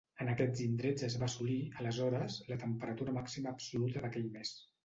En aquests indrets es va assolir, aleshores, la temperatura màxima absoluta d'aquell mes.